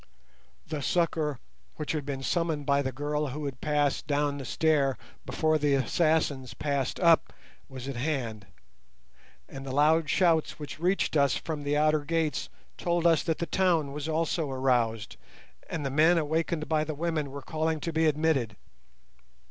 The succour which had been summoned by the girl who had passed down the stair before the assassins passed up was at hand, and the loud shouts which reached us from the outer gates told us that the town was also aroused, and the men awakened by the women were calling to be admitted.